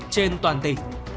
trên toàn tỉnh